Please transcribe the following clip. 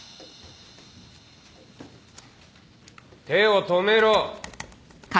手を止めろ。